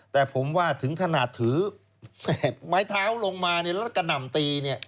แต่ผมว่าถึงขนาดถือไม้เท้าลงมาเนี่ยแล้วกระหน่ำตีเนี่ย